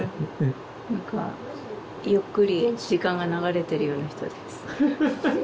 何かゆっくり時間が流れてるような人です